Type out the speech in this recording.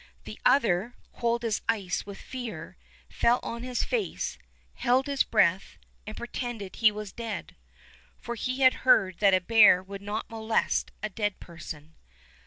The other, cold as ice with fear, fell on his face, held his breath, and pretended he was dead, for he had heard that a bear would not molest a dead person.